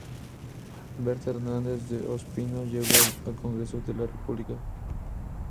Bertha Hernández de Ospina llegó al Congreso de la República.